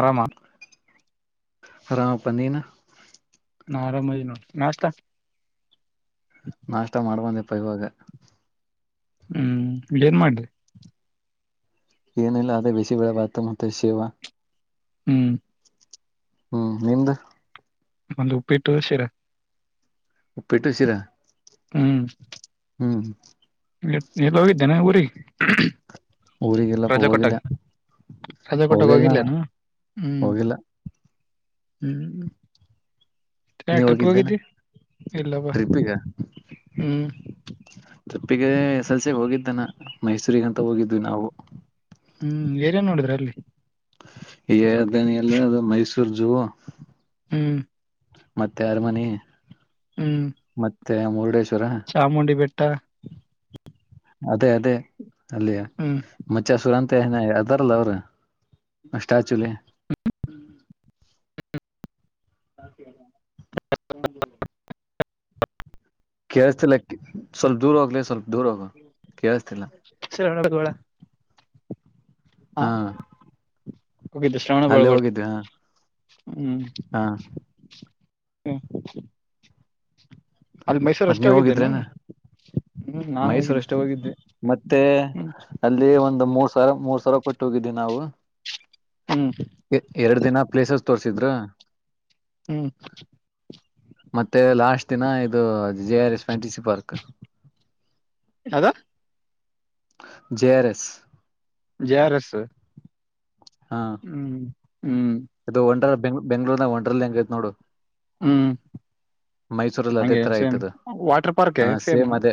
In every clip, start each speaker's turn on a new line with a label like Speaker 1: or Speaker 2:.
Speaker 1: ಆರಾಮ
Speaker 2: ಹರಾಮ ಪ ನೀಿಿನ
Speaker 1: ನಾಾರಾಮ ನೋ ನಾಷ್ಟ
Speaker 2: ಪಯವಾಗ
Speaker 1: ಹ್ಮ್ ಇಡೇನ್ ಮಾಡ್ರಿ
Speaker 2: ಏನಿಲ್ಲ ಅೇ ಬಿಸಿ ಬೆಳೆಭಾತು ಮತ್ತೆ ಶೇವ
Speaker 1: ಹ್ಮ್
Speaker 2: ಹ್ಮ್ ನಿಮ್ದ
Speaker 1: ಒಂದ್ ಉಪ್ಪಿ ಇಟ್ಟು ಸಿರ
Speaker 2: ಉಪ್ಪಿಟ್ಟು ಹಸಿರಾ
Speaker 1: ಹ್ಮ್
Speaker 2: ಹ್ಮ್
Speaker 1: ಎಲ್ಲ ಹೋಗಿದ್ದೇನೆೆ ಊರಿಗೆ
Speaker 2: ಊರಿಗೆಲ್ಲಪ್ಪ
Speaker 1: ರಜಾ ಕೊಟ್ಟಾಗ
Speaker 2: ಹೋಗಿಲ್ಲ
Speaker 1: ರಜಾ ಕೊಟ್ಟಾಗ
Speaker 2: ಹೋಗಿಲ್ಲ
Speaker 1: ಹೋಗಿಲ್ಲೇನು
Speaker 2: ಹೋಗಿಲ್ಲ
Speaker 1: ಹ್ಮ್್ಮ
Speaker 2: ನೀವ ಹೋಗಿದ್ದೇನೆ
Speaker 1: ಇಲ್ಲವಾ
Speaker 2: ಟ್ರಿಪ್ಗ
Speaker 1: ಹ್ಮ್
Speaker 2: ಜಪ್ಪಿಗೆ ಎಸ್ ಎಲ್ಸ ಹೋಗಿದ್ದಾನ ಮೈಸೂರಿಗಂತ ಹೋಗಿದ್ವಿ ನಾವು
Speaker 1: ಹ್ಮ್ ಏನೇನ್ ನೋಡಿದ್ರ ಅಲ್ಲಿ
Speaker 2: ಈ ದನಲ್ಲಿ ಅದು ಮೈಸೂರ್ ಜೂ
Speaker 1: ಹ್ಮ್
Speaker 2: ಮತ್ತೆ ಆರ ಮನಿ
Speaker 1: ಹ್ಮ್
Speaker 2: ಮುರ್ಡೇ
Speaker 1: ಚಾಮುಂಡಿ ಬೆಟ್ಟ ಬೆಟ್ಟ
Speaker 2: ಅದೇ ಅದೇ ಅಲ್ಲಿಯ ಮಚ್ಚ ಸುರಂತ ಮತ್ತೆ ಅದರಲ್ಲ ಅವರು ಸ್ಟಾಚುಲಿ ಹ್ಮ್ ಸಾಕ ಹ ಕೇಳ್ಸ್ತಿಲ ಸ್ವಲ್ಪ ದೂರ ಹೋಗ್ಲೇ ಸ್ವಲ್ಪ ದೂರ ಹಕ ಕ ಆಸಲ್ಲ
Speaker 1: ಗೋಳ
Speaker 2: ಹಾ
Speaker 1: ಹೋಗಿದ್ದು ಶ್ರಾವಣ
Speaker 2: ಅಲ್ಲೇ
Speaker 1: ಬಳ್ಗಳ್
Speaker 2: ಹೋಗಿದ್ವಿ ಹಾ
Speaker 1: ಹ್ಮ್
Speaker 2: ಹಾ
Speaker 1: ಹಾ
Speaker 2: ಮತ್ತೆ ನೀವು ಹೋಗಿದ್ರೇನಾ
Speaker 1: ಹ್ಮ್ ನಾನು ಹೋಗಿದ್ದೆ
Speaker 2: ಮೈಸೂರಷ್ಟೇ ಹೋಗಿದಿ ಮತ್ತೆ
Speaker 1: ಹ್ಮ್
Speaker 2: ಅಲ್ಲಿ ಒಂದ್. ಒಂದ್ ಮುವತ್ತ್ ಮೂರ್ ಸಾವಿರ ಮೂರ್ ಸಾವಿರ ಕೊಟ್ಟು ಹೋಗಿದ್ದೀವಿ ನಾವು.
Speaker 1: ಹ್ಮ್
Speaker 2: ಎ ಎರಡ್ ದಿನ ಪ್ಲೇಸಸ್ ತೋರ್ಸಿದ್ರು.
Speaker 1: ಹ್ಮ್
Speaker 2: ಮತ್ತೆ ಲಾಸ್ಟ್ ದಿನ ಇದು J R S fantasy park.
Speaker 1: ಯಾವ್ದ
Speaker 2: J R S
Speaker 1: J R S ಹ್ಮ್ ಹ್ಮ್
Speaker 2: ಅದು ಒಡರ್ ಬೆಂಗ್ ಬೆಂಗಳೂರ್ ನ ಒಂಡರ್ಲ್ಗ್ವಜ್ ನೋಡು.
Speaker 1: ಹ್ಮ್
Speaker 2: ಮೈಸೂರಲ್ಲಿ ಅದೇ
Speaker 1: ಹಂಗೆ
Speaker 2: ತರ
Speaker 1: ಸೇಮ್
Speaker 2: ಆಯ್ತದ್
Speaker 1: ವಾಟರ್ ಪಾರ್ಕ್
Speaker 2: ಹ ಸೇಮ್ ಅದೇ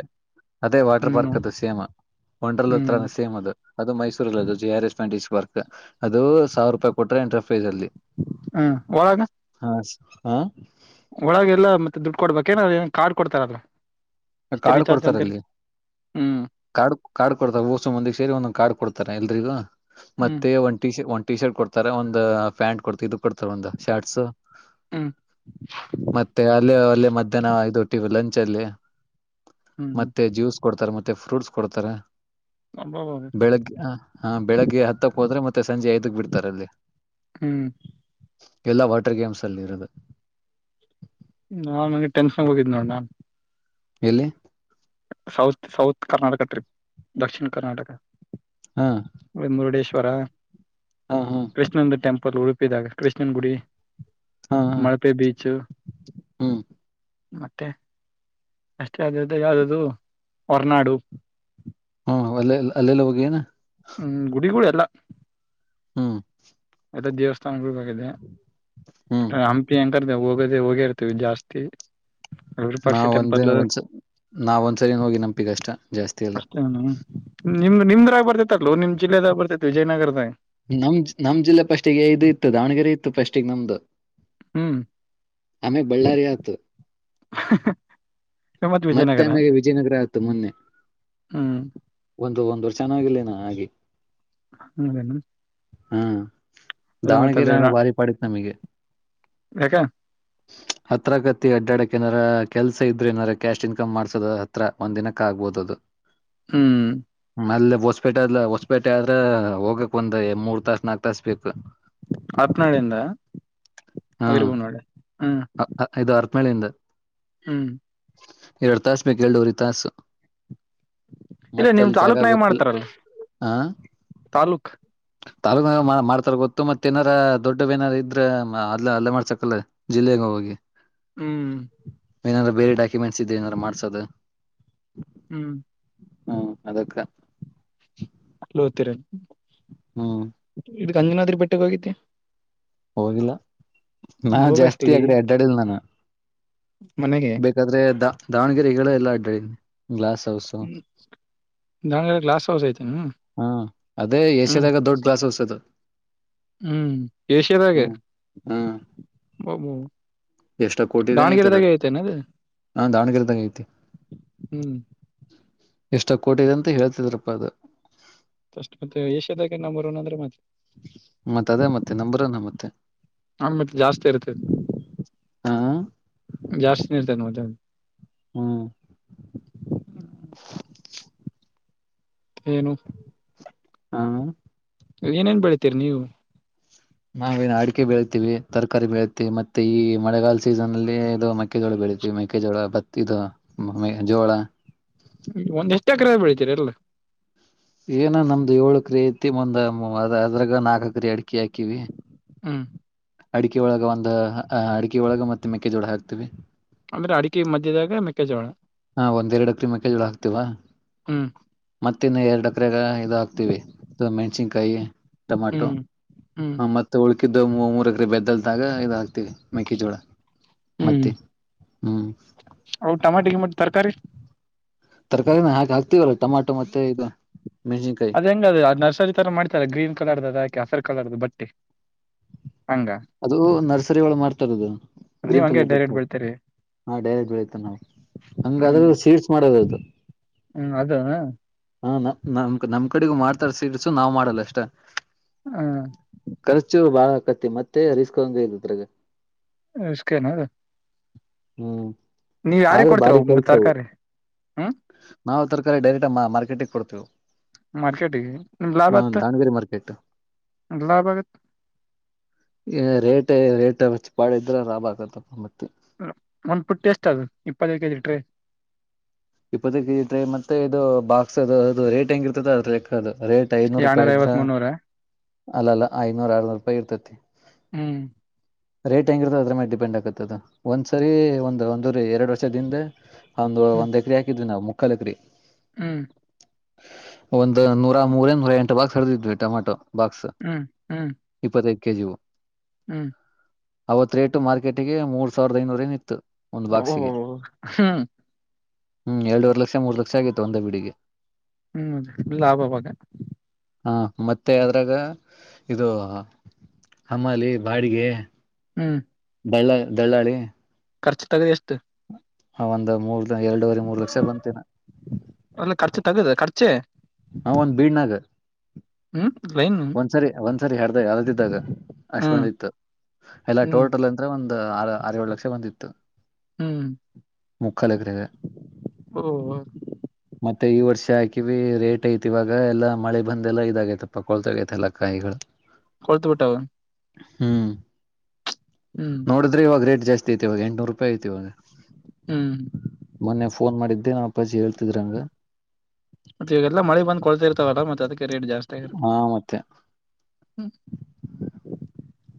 Speaker 2: ಅದೇ ವಾಟರ್
Speaker 1: ಹ್ಮ್
Speaker 2: ಪಾರ್ಕ್ ಅದು ಸೇಮ್ ಒಂಡ್ರಲ್
Speaker 1: ಹ್ಮ್
Speaker 2: ಹತ್ರಾನ ಸೇಮ್ ಅದು. ಅದು ಮೈಸೂರ್ಲ್ ಅದು J R S fantasy park ಅದು ಸಾವಿರ ರೂಪಾಯಿ ಕೊಟ್ರೆ ಎಂಟ್ರೆ. ಸ್ಫೇಜ ಅಲ್ಲಿ
Speaker 1: ಹ್ಮ್ ಒಳಾಗ.
Speaker 2: ಹಾ
Speaker 1: ಒಳಗೆ ಎಲ್ಲಾ ಮತ್ತೆ ದುಡ್ಡು ಕೊಡ್ಬೇಕು ಏನ ಕಾರ್ಡ್ ಕೊಡ್ತಾರ್.
Speaker 2: ಕಾರ್ಡ್ ಕೊಡ್ತಾರ ಅಲ್ಲಿ
Speaker 1: ಹ್ಮ್
Speaker 2: ಕಾರ್ಡ್ ಕಾರ್ಡ್ ಕೊಡ್ತಾರೆ ಊಸ ಮಂದಿಗೆ ಸೇರಿ ಒಂದೊಂದು ಕಾರ್ಡ್ ಕೊಡ್ತಾರ್. ಎಲ್ಲರಿಗೂ.
Speaker 1: ಹ್ಮ್
Speaker 2: ಮತ್ತೆ ಒಂಟಿ ಒಂಟ್ ಟಿ ಶರ್ಟ್ ಕೊಡ್ತಾರೆ ಒಂದು ಪ್ಯಾಂಟ್ ಕೊಡ್ತಾ ಇದು. ಕೊಡ್ತ ಒಂದು ಶಾಟ್ಸ್
Speaker 1: ಹ್ಮ್
Speaker 2: ಮತ್ತೆ ಅಲ್ಲಿ ಅಲ್ಲಿ ಮಧ್ಯಾಹ್ನ ಇದು ಲಂಚ್. ಜಲ ಅದಿ
Speaker 1: ಹ್ಮ್
Speaker 2: ಮತ್ತೆ ಜ್ಯೂಸ್ ಕೊಡ್ತಾರೆ ಮತ್ತೆ ಫ್ರೂಟ್ಸ್ ಕೊಡ್ತಾರೆ
Speaker 1: ಅಬ್ಬಬ್ಬ
Speaker 2: ಬೆಳಗ್ಗೆ ಹಾ ಬೆಳಗ್ಗೆ ಹತ್ತಕ್ಕೆ ಹೋದ್ರೆ ಮತ್ತೆ ಸಂಜೆ ಐದಕ್ ಬಿಡ್ತಾರೆ ಅಲ್ಲಿ.
Speaker 1: ಹ್ಮ್
Speaker 2: ಎಲ್ಲಾ ವಾಟರ್ ಗೇಮ್ಸ್ ಅಲ್ಲಿ ಇರುವುದು.
Speaker 1: ನಾನ್ ನಂಗೆ ಟೆನ್ಷನ್ ಹೋಗಿದ್ದ್ ನೋಡ ನಾನ್.
Speaker 2: ಎಲ್ಲಿ
Speaker 1: ಸೌತ್ ಸೌತ್ ಕರ್ನಾಟಕ ಟ್ರಿಪ್ ದಕ್ಷಿಣ ಕರ್ನಾಟಕ್.
Speaker 2: ಹಾ
Speaker 1: ಒ ಮುರುಡೇಶ್ವರ
Speaker 2: ಹಾ
Speaker 1: [unintelligible]
Speaker 2: ಹಾ
Speaker 1: ಕೃಷ್ಣಂದ ಟೆಂಪಲ್ ಹುಡ್ಕ್ ಇದಾಗ್ ಕೃಷ್ಣನ್ ಗುಡಿ.
Speaker 2: ಹಾ ಹಾ
Speaker 1: ಮಲ್ಪೆ ಬೀಚ್
Speaker 2: ಹ್ಮ್
Speaker 1: ಮತ್ತೆ ಅಷ್ಟೇ ಆದ್ದ ಯಾವ್ದ ಹೊರನಾಡು.
Speaker 2: ಹ ಅಲ್ಲೆ ಅಲ್ಲೆಲ್ಲ ಹೋಗಿ ಏನ್
Speaker 1: ಹ್ಮ್ ಗುಡಿಗಳು ಎಲ್ಲ
Speaker 2: ಹ್ಮ್
Speaker 1: ಎ ದೇವ
Speaker 2: ಹ್ಮ್
Speaker 1: [inaudible] ಹಂಪಿ ಕರ್ದವು ಹೋಗೋದೇ ಹೋಗೇ ಇರ್ತೀವಿ ಜಾಸ್ತಿ ವಿರೂಪಾಕ್ಷ
Speaker 2: ನಾವ
Speaker 1: ಟೆಂಪಲ್
Speaker 2: ಒಂದಿನ ಒಂದ್ಸ ನಾವ ಒಂದ್ಸರಿ ಹೋಗಿ ನಂಪಿಗೆ ಅಷ್ಟ ಜಾಸ್ತಿ ತ್ತಲ
Speaker 1: ನಿಮ್ದ್ ನಿಮ್ದ್ರಾಗ ಬರ್ತತ ಅಲ್ೋ ನಿಮ್ ಜಿಲ್ಲೆದಾಗ ಬರ್ತೈತಿ ವಿಜಯನಗರದಾಗ
Speaker 2: ನಮ್ ನಮ್ ಜಿಲ್ಲೆ ಪಫಸ್ಟ್ಗೆ ಇದು ಇತ್ತು ದಾವಣಗೆರೆ ಇತ್ತು ಪಫಸ್ಟಿಗೆಗ್ ನಮ್ದು
Speaker 1: ಹ್ಮ್
Speaker 2: ಅಮ ಬಳ್ಳಾರಿಯತ
Speaker 1: [unintelligible] ಮತ್
Speaker 2: ಮತ್ತೆ
Speaker 1: ವಿಜಯನಗರ
Speaker 2: ಆಮೇಲೆ ವಿಜಯನಗರ ಆಯತು ಮೊನ್ನೆ
Speaker 1: ಹ್ಮ್
Speaker 2: ದು ಒಂದ ವರ್ಷನ್ನಾಗಿಲ ನ ಹಾಗೆ
Speaker 1: ಹ್ಮದೇನು
Speaker 2: ಹಾ ದಾವಣಗೆರೆ ನ ಭಾರಿ ಪಡಿತ ನಮಗೆ
Speaker 1: ಯಾಕ
Speaker 2: ಹತ್ರಗತಿ ಅಡ್ಡಾಡಕ್ ಏನಾರ ಕೆಲ್ಸ ಇದ್ರೆ ನಾರ ಕ್ಯಾಶ್ ಇನ್ಕಮ್ ಮಾಡ್ಸೋದ ಹತ್ರ ಒಂದ್ ದಿನಕ್ಕೆ ಆಗ್ಬೋದು ಅದು
Speaker 1: ಹ್ಮ್
Speaker 2: ಮೇಲೆ ಹೊಸ್ಪೇಟೆ ಆದಲ ಹೊಸ್ಪೇಟೆ ಆದ್ರ ಹೋಗಕ್ ಒಂದ ಮೂರ್ ತಾಸ ನಾಕ್ ತಾಸ ಬೇಕು
Speaker 1: ಹತ್ನಾಡೆಯಿಂದ
Speaker 2: ಹಾ
Speaker 1: ಅವಿರ್ಬೂ ನಡೆ ಹ್ಮ್
Speaker 2: ಮಳೆಯಿಂದ
Speaker 1: ಹ್ಮ್
Speaker 2: ಎರಡು ತಾಸ ಬೇಕ ಎಡುವ್ರ ತಾಸು
Speaker 1: ಇಲ್ಲ
Speaker 2: ಮತ್ತ
Speaker 1: ನಿಮ್
Speaker 2: ಅಲ್ಲಿ
Speaker 1: ತಾಲೂಕ್
Speaker 2: ಜಾಗ
Speaker 1: ನ
Speaker 2: ಗೊತ್ತಿಲ್ಲ
Speaker 1: ಮಾಡ್ತಾರಲ್ಲ ತಾಲೂಕ್
Speaker 2: ತಾಲೂಕನಾಗ ಮಾಡ್ತಾರ ಗೊತ್ತು ಮತ್ತ ಏನಾರ ದೊಡ್ಡವೇನಾರ ಇದ್ರ ಅಲ್ಲೇ ಅಲ್ಲೇ ಮಾಡ್ಸಕಲ್ಲ ಜಿಲ್ಲೆಗ ಹೋಗಿ
Speaker 1: ಹ್ಮ್
Speaker 2: ಮೆಂಟ್ಸ್ ಇದ ಏನಾರ ಮಾಡ್ಸೋದು
Speaker 1: ಹ್ಮ್
Speaker 2: ಹ್ಮ ಅದಕ್ಕ
Speaker 1: ಹೋತಿರಿ
Speaker 2: ಹ್ಮ್
Speaker 1: ಗಂಜನಾದ್ರಿ ಬೆಟ್ಟೆಗೆ ಹೋಗಿದ್ದೆ
Speaker 2: ಹೋಗಿಲ್ಲ ನಾ ಜಾಸ್ತಿ
Speaker 1: ಹೋಗ್ಬೇಕಿಲ್ಲಿ
Speaker 2: ಅಗಡೆ ಅಡ್ಡಾಡಿಲ್ಲ ನಾನ
Speaker 1: ಮನೆಗೆ
Speaker 2: ಬೇಕಾದ್ರೆ ದ ದಾವಣಗೆರೆ ಗಳ ಎಲ್ಲ ಅಡ್ಡಿ [unintelligible]
Speaker 1: ನನಗೆ ಲಾಸ್ ಆಗಿಹೋಯಿತು
Speaker 2: ಏಷ್ಯಾದಲ್ಲಿ ಅದೇ ಒಂದು ದೊಡ್ಡ ಗ್ಲಾಸ್
Speaker 1: ಹೌದು ಏಷ್ಯಾದಲ್ಲಿ
Speaker 2: ಹ್ಮ್
Speaker 1: ಹೌದು
Speaker 2: ಎಷ್ಟು ಕೋಟಿ ಇತ್ತು ಅದು ದಾವಣಗೆರೆಯಲ್ಲಿ ಇದೆ
Speaker 1: ಹ್ಮ್
Speaker 2: ಎಷ್ಟೋ ಕೋಟಿ ಇದೆ ಅಂತ ಹೇಳ್ತಿದ್ರು
Speaker 1: ಅಷ್ಟೇ ಮತ್ತೆ ಏಷ್ಯಾದಲ್ಲಿ ನಂಬರ್ ವನ್ ಅಂದ್ರೆ ಮತ್ತೆ
Speaker 2: ಅದೇ ಮತ್ತೆ ನಂಬರ್ ವನ್
Speaker 1: ಹೂ ಮತ್ತೆ ಜಾಸ್ತಿನೇ ಇರುತ್ತೆ ಅದು
Speaker 2: ಹ ಹ್ಮ್
Speaker 1: ಏನು
Speaker 2: ಹಾ
Speaker 1: ಏನೇನ್ ಬೆಳಿತೀರಿ ನೀವು
Speaker 2: ನಾವೇನು ಅಡಿಕೆ ಬೆಳಿತೀವಿ ತರಕಾರಿ ಬೆಳೆತೀವಿ ಮತ್ತೆ ಈ ಮಳೆಗಾಲಸೀಸನ್ ಇದು ಮೆಕ್ಕೆಜೋಳ ಬೆಳಿತೀವಿ ಮೆಕ್ಕೆಜೋಳ ಬತ್ತ ಇದು ಜೋ
Speaker 1: ಒಂದ್ ಎಷ್ಟು ಎಕರೆ ಬೆಳಿತೀರಿಲ್ಲ
Speaker 2: ನಮ್ದು ಏಳು ಎಕರೆ ಇದೆ ಅದರಲ್ಲಿ ನಾಲ್ಕು ಎಕರೆ ಅಡಿಕೆ ಹಾಕಿದೀವಿ
Speaker 1: ಹ್ಮ
Speaker 2: ಅಡಿಕೆ ಒಳಗ ಒಂದು ಅಡಿಕೆ ಒಳಗ ಮತ್ತೆ ಮೆಕ್ಕೆಜೋಳ ಹಾಕ್ತಿೀವಿ
Speaker 1: ಅಂದ್ರೆ ಅಡಿಕೆ ಮಧ್ಯದಾಗ ಮೆಕ್ಕೆಜೋಳ
Speaker 2: ಹ ಎರಡ್ ಎಕರೆ ಮೆಕ್ಕೆಜೋಳ ಹಾಕ್ತೀವಿ
Speaker 1: ಹ್ಮ್
Speaker 2: ಮತ್ತಿನ್ನ ಎರಡ್ ಎಕರೆ ಮೆಣಸಿನಕಾಯಿ ಹಾಕ್ತಿವಿ ಕೈಗೆ ಟಮೋಟೊ
Speaker 1: ಹ್ಮ್ ಹ್ಮ್
Speaker 2: ಮತ್ತೆ ಉಳ್ಳಾಗಡ್ಡಿ ಮಿಕ್ಕಿದ್ದು ಮೂರ್ ಎಕ್ರೆ ಬೆಜ್ಜಲ್ನಾಗ ಮೆಕ್ಕೆಜೋಳ ಹಾಕ್ತಿವಿ ಮತ್ತೆ ಹ್ಮ್.
Speaker 1: ಟಮೋಟ ಮತ್ತು ತರಕಾರಿ.
Speaker 2: ತರಕಾರಿನ ಹಾಕೆ ಹಾಕ್ತೀವಲ್ಲ ಟೊಮಾಟೊ ಮತ್ತೆ ಇದು. ಮೆಣಸಿನ್ಕಾಯಿ
Speaker 1: ಹೆಂಗೆ ಅದು ನರ್ಸರಿ ತರ ಮಾಡ್ತೀರಾ. ಕೇಸರಿ ಕಲರ್ ದು ಬಟ್ಟೆ.
Speaker 2: ಅದು ನರ್ಸರಿ ಒಳಗಡೆ ಮಾರ್ತಾರೆ
Speaker 1: ನೀವ್
Speaker 2: ಗ್ರೀನ್
Speaker 1: ಹಂಗೆ
Speaker 2: ಕಲರ್
Speaker 1: ಡೈರೆಕ್ಟ್ ಬೆಳಿತೀರಿ
Speaker 2: ಮ್ಯಾಟ್ ಸೀಡ್ಸ್ ಮಾಡದ್ ಅದು.
Speaker 1: ಹೋ ಅದಾ.
Speaker 2: ನಮ್ ಕಡೆನು ಮಾಡ್ತಾರೆ ಸೀಡ್ಸ್ ಆದ್ರೆ ನಾವು ಮಾರಲ್ಲ ಅಷ್ಟೇ.
Speaker 1: ಹ್ಮ್.
Speaker 2: ಖರ್ಚು ತುಂಬಾ ಆಗುತ್ತೆ. ತುಂಬಾ ರಿಸ್ಕ್ ಇದೆ.
Speaker 1: ಎಷ್ಟಕನಾದು [inaudible]
Speaker 2: ಹ್ಮ್. ಆದ್ರೆ
Speaker 1: ಕೊಡ್ತೀರ
Speaker 2: ಬಾರಿ
Speaker 1: ಅವು
Speaker 2: ಕೆಲ್ಸವು
Speaker 1: ತರಕಾರಿ ಹ್ಮ್
Speaker 2: ನಾವ್ ತರಕಾರಿ ಡೈರೆ. ಪೇಟೆ ಕೊಡ್ತೀವಿ.
Speaker 1: ಮಾರ್ಕೆಟಿಗೆ ನಿಮ್ ಲಾಭ ಆತ್ತ
Speaker 2: ದಾವಣಗೆರೆ ಮಾರ್ಕೆಟ್
Speaker 1: ನಿ್ದ ಲಾಭ ಆಗತ್.
Speaker 2: ರೇಟ್ ರೇಟ್ ಮಚ್ಚ ಪಾಿದ್ರೆ ಲರಾಭ ಆಕತ್ತಪ್ಪ ಮತ್ತೆ.
Speaker 1: ಒಂದ್ ಪುಟ್ಟಿ ಎಷ್ಟ ಅದು ಇಪ್ಪತ್ತೈದು ಕೆಜಿ ಇಟ್ರಿ.
Speaker 2: ಇಪ್ಪತ್ತಟೀ ಮತ್ತೆ ಇದು ಬಾಕ್ಸ್ ಅದು ಅದು ರೇಟ್ ಹೆಂಗ್ ಇರ್ತದ ಅದ್ರ. ದು ರೇಟ್ ಐನೂರು
Speaker 1: ಎಳ್ನೂರ
Speaker 2: ರೂಪಾಯಿ
Speaker 1: ಐವತ್
Speaker 2: ಇದ್ರಾ.
Speaker 1: ಮುನ್ನೂರ
Speaker 2: ಅಲ್ಲ ಅಲ್ಲಾ ಐನೂರ್ ಆರ್ನೂರು ರೂಪಾಯಿ ಇರ್ತತಿ.
Speaker 1: ಹ್ಮ್.
Speaker 2: ರೇಟ್ ಹೆಂಗಿರುತ್ತ ಅದ್ರ ಮೇಲೆ ಡಿಪೆಂಡ್ ಆಗತ್ತದು ಒಂದ್ಸರಿ ಒಂದು ಒಂದು ಎರಡು ವರ್ಷದಿಂದೆ. ಒಂದು
Speaker 1: ಹ್ಮ್
Speaker 2: ಒಂದ. ದು ನಾವು ಮುಕ್ಕಾಲಗ್ರೀ.
Speaker 1: ಹ್ಮ್.
Speaker 2: ಒಂದು ನೂರ ಮೂರ ನೂರ ಎಂಟು ಭಾಗ ಸಡದಿದ್ವಿ ಟೊಮಾಟೊ. ಬಾಕ್ಸ್
Speaker 1: ಹ್ಮ್ ಹ್ಮ್
Speaker 2: ಇಪ್ಪತ್ತೈದು. ಕೆ ಜಿ ಓ.
Speaker 1: ಹ್ಮ್.
Speaker 2: ಅವತ್ ರೇಟು ಮಾರ್ಕೆಟಿಗೆ ಮೂರ್ ಸಾವಿರದ ಐನೂರ ನ್ ಇತ್ತು. ಒಂದ್
Speaker 1: ಬ್ಮ
Speaker 2: ಬಾಕ್ಸಿಗೆ
Speaker 1: [unintelligible]
Speaker 2: ಹ್ಮ್ ಎರಡೂವರೆ ಲಕ್ಷ ಮೂರು ಲಕ್ಷ ಆಗಿತ್ತು ಒಂದ ಬಿಡಿಗೆ
Speaker 1: ಹ್ಮ್ದ ಲಾಭವಾಗ
Speaker 2: ಹಾ ಮತ್ತೆ ಅದ್ರಾಗ ಇದು ಹಮಾಲಿ ಬಾಡಿಗೆ
Speaker 1: ಹ್ಮ್
Speaker 2: ಬೆಳ್ಳಾ ದಳ್ಳಾಳಿ
Speaker 1: ಖರ್ಚ ತಗದೆ ಎಷ್ಟು
Speaker 2: ಆ ಒಂದು ಮೂರ್ ಎರಡೂುವರೆ ಮೂರ್ ಲಕ್ಷ ಬಂತೇನ
Speaker 1: ತಗದ ಖರ್ಚೆ.
Speaker 2: ಹ ಒಂದ್ ಬೀಳ್ ನಾಗರ್
Speaker 1: ಹ್ಮ
Speaker 2: ಒಂದ್ಸರಿ ಒಂದ್ಸರಿ [unintelligible] ಯಾವ್ದ ದಾಗ ಅಷ್ಟ
Speaker 1: ಹ್ಮ್
Speaker 2: ಬಂದಿತ್ತು ಎಲ್ಲಾ
Speaker 1: ಹ್ಮ್
Speaker 2: ಟೋಟಲ್ ಅಂದ್ರೆ ಒಂದ ಆ ಆರ್ಯೊಲಕ್ಷ ಬಂದಿತ್ತು
Speaker 1: ಹ್ಮ್
Speaker 2: ಮುಕ್ಕಳ ಎಕ್ರೆಗೆ
Speaker 1: ಓ
Speaker 2: ಮ ಈ ವರ್ಷ ಹಾಕಿವಿ ರೇಟ್ ಐತಿ ಇವಾಗ ಎಲ್ಲಾ ಮಳೆ ಬಂದ ಎಲ್ಲ ಇದಾಗೈತ ಪ ಕಳ್ತೋಗೈತೆ ಎಲ್ಲ ಕಾಯಿಗಳು
Speaker 1: ಕೊಳ್ತು ಬಿಟ್ಟಾವ
Speaker 2: ಹ್ಮ್
Speaker 1: ಹ್ಮ್
Speaker 2: ನೋಡ್ರೆ ಈವಾಗ ರೇಟ್ ಜಾಸ್ತಿ ಐತಿ ಇವ ಎಂಟ್ನೂರು ರೂಪಾಯಿ ಐತಿ
Speaker 1: ಹ್ಮ್
Speaker 2: [inaudible] ಮನ್ನ ಫೋನ್ ಮಾಡಿ ಅ ನ ಅಪ್ಪಾಜಿ ಹೇಳ್ತಿದ್ರಂಗ
Speaker 1: ಮತ್ತೆ ಈಗಲ್ಲ ಮಳಿ ಬಂದ್ ಕೊಡ್ತ ಇರ್ತವಲ್ಲ ಮತ್ತೆ ಅದಕ್ಕೆ ರೇಟ್ ಜಾಸ್ತ ಆಗಿರೋದ್
Speaker 2: ಹಾ ಮತ್ತೆ
Speaker 1: ಹ್ಮ್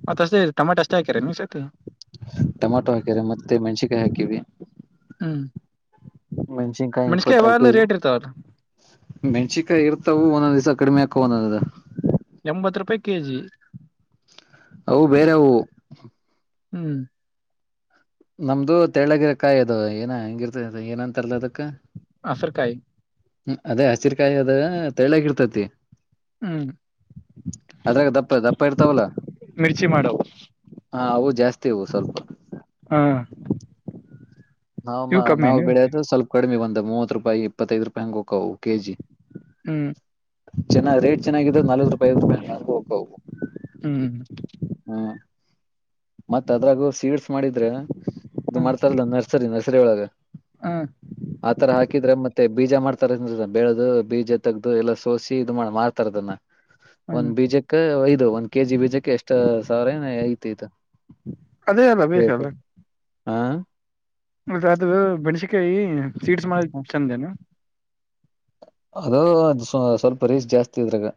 Speaker 1: ಮತ್ತ ಅಷ್ಟೇ ಟಮಾಟೋ ಅಷ್ಟೇ ಹಾಕ್ಯಾರ ನೀಮ್ ಸೇತ
Speaker 2: ಟೊಮಾಟೊ ಹಾಕ್ಯಾರ ಮತ್ತೆ ಮೆಣ್ಸಕಾಯಿ ಹಾಕಿವಿ
Speaker 1: ಹ್ಮ್
Speaker 2: ಮೆಣಸಿನ್ಕಾಯಿ
Speaker 1: ಮೆಣಸಕಾಯಿ
Speaker 2: ಇಪ್ಪತ್ತೈ
Speaker 1: ಯಾವಾಗ್ಲೂ
Speaker 2: ಕೆಜಿ
Speaker 1: ರೇಟ್ ಇರ್ತಾವಲ್ಲ
Speaker 2: ಮೆಣಸಿನ್ಕಾಯಿ ಇರ್ತವು ಒಂದೊಂದ್ ಸಕಡಿಮ ನದ
Speaker 1: ಕೆ ಜಿ
Speaker 2: ಅವು ಬೇರೆ ಅವು
Speaker 1: ಹ್ಮ್
Speaker 2: ನಮ್ದು ತಳ್ಳಗಿರಕಾಯಿ ಅದು ಏನ ಹೆಂಗಿರ್ತ ಏನಂತರ್ಲ ಅದು
Speaker 1: ಆ ಸರ್ಕಾಯ
Speaker 2: ಹ್ಮ ಅದೇ ಹಸಿಕಾಯಿ ಅದ ತೆಳ್ಳಕ ಇರ್ತೇತಿ
Speaker 1: ಹ್ಮ್
Speaker 2: ಅದ್ರಾಗ ದಪ್ಪ ದಪ್ಪ ಇರ್ತಾವಲ್ಲ
Speaker 1: ಮಿರ್ಚಿ ಮಾಡವು
Speaker 2: ಹಾ ಅವು ಜಾಸ್ತಿ ಅವು ಸ್ವಲ್ಪ
Speaker 1: ಹಾ
Speaker 2: ನಾವಮ್ಮ
Speaker 1: ಇವು
Speaker 2: ನಾವು
Speaker 1: ಕಮ್ಮಿನು
Speaker 2: ಬೆಳೆಯೋದು ಸ್ವಲ್ಪ ಕಡಿಮ ಬಂದ ಮೂವ ರೂಪಾಯಿ ಇಪ್ಪತ್ತೈದು ರೂಪಾಯಿ ಹಂಗ ಹೋಗವ್ ಕೆಜಿ
Speaker 1: ಹ್ಮ್
Speaker 2: ಚೆನ್ನಾಗ ರೇಟ್ ಚೆನ್ನಾಗಿದೆ ನಲ್ವತ್ ರೂಪಾಯಿ [unintelligible] ರೂಪಾಯಿ ಹ ಹೋಗು
Speaker 1: ಹ್ಮ್
Speaker 2: ಹ್ಮ್ ಮತ್ತತ್ ಅದ್ರಾಗೂ ಸೀಡ್ಸ್ ಮಾಡಿದ್ರೆನಾ ಇದು
Speaker 1: ಹ್ಮ್
Speaker 2: ಮಾಡ್ತಾರಲ್ಲ ನರ್ಸರಿ ನರ್ಸ್ ಸರಿ ಒಳಗ
Speaker 1: ಹ್ಮ್
Speaker 2: ಆತರ ಹಾಕಿದ್ರೆ ಮತ್ತೆ ಬೀಜ ಮಾಡ್ತಾರ ಬೆಳೆದು ಬೀಜ ತೆಗ್ದು ಎಲ್ಲ ಸೋಸಿ ಇದು ಮಾಡ್ತಾರದನ್ನ
Speaker 1: ಹ್ಮ್
Speaker 2: ಒಂದ್ ಬೀಜಕ್ಕೆ ಐದು ಒಂದ್ ಕೆಜಿ ಬೀಜಕ್ಕೆ ಎಷ್ಟು ಸಾವಿರನ ತೈತ
Speaker 1: ಅದೇ ಅಲ್ಲ [unintelligible]
Speaker 2: ಹಾ
Speaker 1: [unintelligible] ಅದು ಬೆಣಸಿಕಾಯಿ ಸೀಡ್ಸ್ ಮಾಡಿ ಚಂದೇನು
Speaker 2: ಅದು ಸ್ವಲ್ಪ ರಿಸ್ಕ್ ಜಾಸ್ತಿ ಇದ್ರಾಗ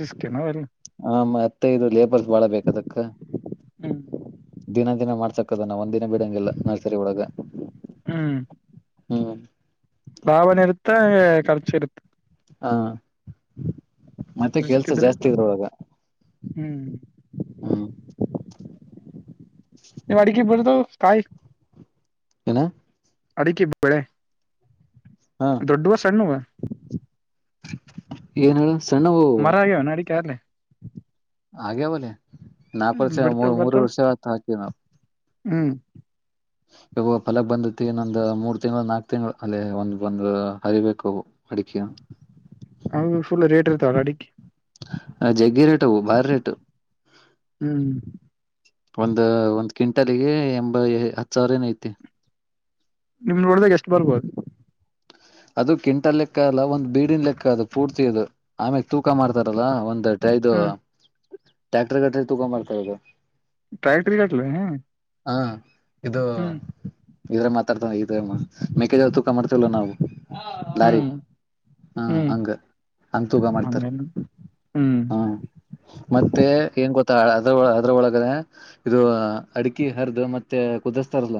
Speaker 1: ರಿಸ್ಕೇನು ಅಲ್ಲ
Speaker 2: ಹಾ ಮತ್ತೆ ಇದು ಲೇಬರ್ಸ್ ಬಾಳ ಬೇಕದಕ್ಕ
Speaker 1: ಹ್ಮ್
Speaker 2: ದಿನ ಅದನ ಮಾಡ್ಸಕದ ನ ಒಂದಿನ ಬಿಡಂಗಿಲ್ಲ ನರ್ಸರಿ ಒಳಗ
Speaker 1: ಹ್ಮ್
Speaker 2: ಹ್ಮ್
Speaker 1: ಲಾಭನ ಇರುತ್ತೆ ಖರ್ಚು ಇರುತ್ತೆ
Speaker 2: ಹಾ ಮತ್ತೆ
Speaker 1: ರಿಸ್ಕ್
Speaker 2: ಕೆಲ್ಸ
Speaker 1: ಇದ್ರೆ
Speaker 2: ಜಾಸ್ತಿ ಇದರೊಳಗ
Speaker 1: ಹ್ಮ್
Speaker 2: ಹ್ಮ್
Speaker 1: ನೀವ್ ಅಡುಗೆ ಬರುದು ಸ್ಕಾಯಿ
Speaker 2: ಏನ
Speaker 1: ಅಡಿಕಿ ಬೆಳೆ
Speaker 2: ಹ
Speaker 1: ದೋಡ್ಡುವ ಸಣ್ಣುವ
Speaker 2: ಏನ್ ಹೇಳು
Speaker 1: ಮರ ಆಗ್ಯಾವನ ಅಡಿಕೆ ಆಗ್ಲೇ [unintelligible]
Speaker 2: ಆಗೇವ ಲೇ ನಾಲ್ಕು ವರ್ಷ ಮೂ
Speaker 1: ಬಿಡ್ತಾವ
Speaker 2: ಮೂರು
Speaker 1: ಬರ್ತಾವ
Speaker 2: ವರ್ಷ ಆಯ್ತ್ ಹಾಕಿ ನಾವು
Speaker 1: ಹ್ಮ್
Speaker 2: ಇವು ಫಲಕ್ ಬಂದೊತ್ತಿಗೆ ನಂದ್ ಮೂರ್ ತಿಂಗಳು ನಾಕ್ ತಿಂಗಳು ಅಲ್ಲೇ ಒಂದ್ ಬಂದು ಹರಿಬೇಕು ಅವು ಅಡಿಕೆ
Speaker 1: ಅವು ಪುಲ್ ರೇಟ್ ಇರತಾವಲ ಅಡಿಕಿ
Speaker 2: ಆ ಜಗ್ಗಿ ರೇಟ್ ಟು ಬಾರಿ ರೇಟು
Speaker 1: ಹ್ಮ್
Speaker 2: ಕ್ವಿಂಟಲ್ಲಿಗೆ ಎಂಬ ಹತ್ತು ಸಾವಿರೇನೋ ಐತಿ
Speaker 1: ನಿಮ್ ನೋಡ್ದಾಗ ಎಷ್ಟು ಬರ್ಬೋದು
Speaker 2: ಅದು ಕ್ವಿಂಟಲ್ ಲೆಕ್ಕ ಅಲ್ಲ ಒಂದ್ ಬೀಡಿನ ಲೆಕ್ಕ ಅದು ಪೂರ್ತಿ ಅದು ಆಮ್ಯಾಗ ತೂಕ ಮಾಡ್ತಾರಲ್ಲ ಒಂದ ಹದ್ನೈದು
Speaker 1: ಹ್ಮ್
Speaker 2: ಟ್ಯಾಕ್ಟರ್ ಗಟ್ಟಲೇ ತೂಕ ಮಾಡ್ತಾಯಿದೆ.
Speaker 1: ಟ್ರ್ಯಾಕ್ಟರಿ ಗಟ್ಲೇ
Speaker 2: ಹಾ ಇದು ಇದ್ರೆ ಮಾತಾಡ್ತ ಇದಮ್ಮ ಮೇಕ್ಕಿಜ್ವಳ ತೂಕ ಮಾಡ್ತಿವಲ್ಲ ನಾವು ಲಾರಿವು
Speaker 1: ಹ್ಮ್
Speaker 2: ಹಾ
Speaker 1: ಹ್ಮ್
Speaker 2: ಹಂಗ ಅಂತೂಗ ಮಾಡ್ತಾರ
Speaker 1: ಹಂಗೇನು ಹ್ಮ್
Speaker 2: ಹ್ಮ ಮತ್ತೆ ಏನ್ ಗೊತ್ತ ಅದ್ರ ಅದ್ರೊಳಗನೆ ಇದು. ಅಡಕಿ ಹರದು ಮತ್ತೆ ಕುದಸ್ತಾರಲ್ಲ.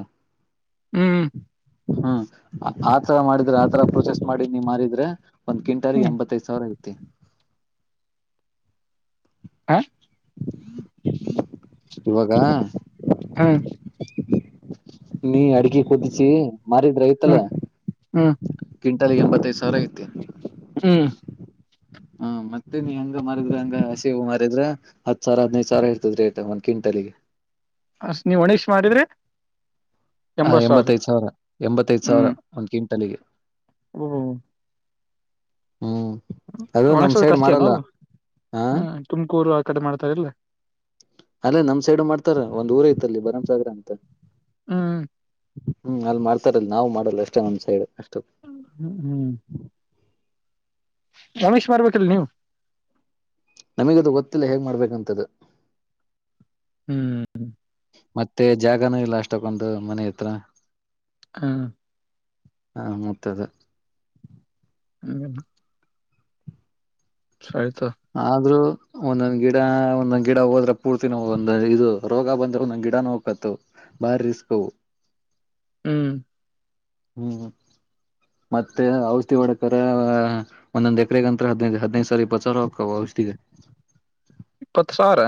Speaker 1: ಹ್ಮ್
Speaker 2: ಹ್ಮ್ ಆತರ ಮಾಡಿದ್ರ ಆತರ ಪ್ರೊಸೇಸ್ ಮಾಡಿ ನೀ ಮಾರಿದ್ರ ಒಂದ್ ಕ್ವಿಂಟಲ್ಗೇ
Speaker 1: ಹ್ಮ್
Speaker 2: ಎಂಬತ್ತೈದ್ ಸಾವಿರ ಇರುತ್ತೆ
Speaker 1: ಹ
Speaker 2: ಇವಾಗ
Speaker 1: ಹ್ಮ್
Speaker 2: ನೀ ಅಡ್ಕಿ ಕುದ್ದುಸಿ ಮಾರಿದ್ರಯತಲ್ಲ.
Speaker 1: ಹ್
Speaker 2: ಕ್ವಿಂಟಲಾಗ ಎಂಬತ್ತೈದ ಸ ತರಗತಿ
Speaker 1: ಹ್ಮ್
Speaker 2: ಹ್ಮ ಮತ್ತೆ ನೀ ಹಂಗ ಮಾರಿದ್ರ ಹಂಗ ಹಸಿ ಹೂ ಮಾರಿದ್ರ ಹತ್ ಸಾವಿರ ಹದ್ನೈದು ಸಾವಿರ ಇರ್ತದ ರೇಟ್ ಒಂದ್ ಕ್ವಿಂಟಲಗೆ
Speaker 1: ಹಶ ನಿ ವಣೀೇಶ್ ಮಾಡಿದ್ರ
Speaker 2: ಹ ಎಂಬತ್ತೈದ ಸಾವಿರ ಎಂಬತ್ತೈದ್ ಸಾವಿರ ಒಂದ ಕ್ವಿ ಟಲಗೆ
Speaker 1: ಅಬಬಬ
Speaker 2: ಹ್ಮ್ ಅದು ನಮ್
Speaker 1: ಒಣಗ್ಸದಕ್
Speaker 2: ಸೈಡ್
Speaker 1: ಅಷ್ಟೇನ
Speaker 2: ಮಾಡಲ್ಲ
Speaker 1: ಅವು
Speaker 2: ಹ
Speaker 1: ಹ್ಮ್ ತುಮಕೂರು ಕಡೆ ಮಾಡ್ತಾರಿಲ್ಲ
Speaker 2: ಅಲ್ಲೇ ನಮ್ ಸೈಡ್ ಮಾಡ್ತಾರ ಒಂದ್ ಊರ ಇತ್ತ ಅಲ್ಲಿ ಬರಂಸಗರ್ ಅನ್ ತ.
Speaker 1: ಹ್ಮ್
Speaker 2: ಹ್ಮ್ ಅಲ್ಲಿ ಮಾಡ್ತಾರ ನಾವು ಮಾಡ ರಲ್ಲಸ್ಟೆ ಒಂದ್ ಸೈಡ್.
Speaker 1: ಹ್ಮ್ ಹ್ಮ್ ರಮೇಶ್ ಬರ್ಬೇಕೀಲ್ಲ ನೀವು
Speaker 2: ನಮಗಿದು ಗೊತ್ತಿಲ್ಲ ಹೇಗ್ ಮಾಡ್ಬೇಕಂತ್ ಇದು
Speaker 1: ಹ್ಮ್ ಹ್ಮ್
Speaker 2: ಮತ್ತೆ ಜಾಗನೂ ಇಲ್ಲ ಅಷ್ಟಕ್ಕೊಂದು ಮನೆ ಹತ್ರ.
Speaker 1: ಹಾ
Speaker 2: ಹಾ ಮತ್ತದು
Speaker 1: ಹ್ಮ ಸರಿ
Speaker 2: ಆದ್ರೂ ಒಂದೊಂದ್ ಗಿಡ ಒಂದೊಂದ್ ಗಿಡ ಹೋದ್ರೆ ಪೂರ್ತಿ ನೋವು ಒಂದ ಇದು ರೋಗ ಬಂದ್ರೆ ಒಂದೊಂದ್ ಗಿಡನ ಹೋಗಕತ ಬಾರಿ ರಿಸ್ಕ್ ಅವು
Speaker 1: ಹ್ಮ್
Speaker 2: ಹ್ಮ್ ಮತ್ತೆ ಔಷಧಿ ಡಕರ ಒಂದೊಂದ್ ಎಕರೆಗಂತತ್ರ ಹದ್ನೈದು ಸಾವ ಬಚಾರ ಹಕ್ಕ ಔಷಧಿಗೆ
Speaker 1: ಇಪ್ಪತ್ ಸಾವಿರ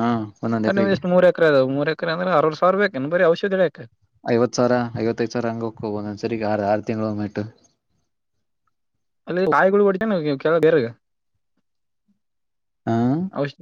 Speaker 2: ಹಾ ಒಂದೊಂದ್
Speaker 1: ನಿಮ್ದ
Speaker 2: ಎಕರೆಗೆ
Speaker 1: ಎಷ್ಟು ಮೂರು ಎಕರೆ ಅದಾವ ಮೂರ್ ಎಕರೆ ಅಂದ್ರೆ ಆವ ಸಾವರ ಬೇಕೇನೆ ಬರಿ ಔಷ [unintelligible]
Speaker 2: ಐವತ್ ಸಾವಿರ ಐವತ್ತೈ ಸಾವಿರ ಹಂಗಕ ಹ ಒಂದೊಂದ್ಸರಿ ಆರ್ ಆರು ತಿಂಗಳು್ಟ್ಟು
Speaker 1: ಅಲ್ಲಿ ಗಾಯಿಗಳು ಹೊಡನ ಕೆಲ ಬೇರೆಗೆ
Speaker 2: ಹಾ
Speaker 1: ಅವಶ್ಯ